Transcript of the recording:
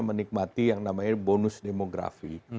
menikmati yang namanya bonus demografi